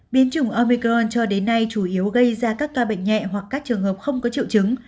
biến chủng omicron cho đến nay chủ yếu gây ra các ca bệnh nhẹ hoặc các trường hợp không có triệu chứng